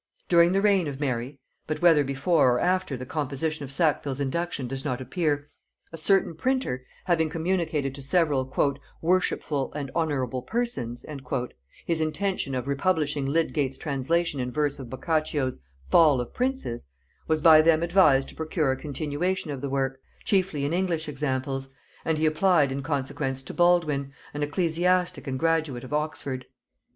During the reign of Mary, but whether before or after the composition of Sackville's Induction does not appear, a certain printer, having communicated to several "worshipful and honorable persons" his intention of republishing Lydgate's translation in verse of Boccacio's "Fall of Princes," was by them advised to procure a continuation of the work, chiefly in English examples; and he applied in consequence to Baldwyne, an ecclesiastic and graduate of Oxford.